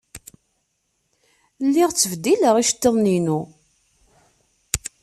Lliɣ ttbeddileɣ iceḍḍiḍen-inu.